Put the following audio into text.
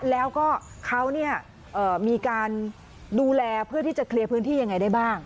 แล้วก็เขามีการดูแลเพื่อที่จะเคลียร์พื้นที่ยังไงได้บ้าง